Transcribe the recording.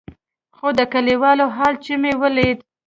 خو د کليوالو حال چې مې وليد.